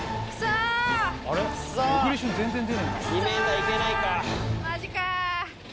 ２ｍ行けないか。